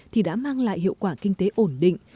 thì đã mang lại hiệu quả kinh tế ổn định